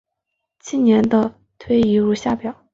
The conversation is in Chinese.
近年的推移如下表。